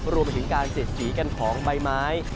รวมไปถึงการเสียดสีกันของใบไม้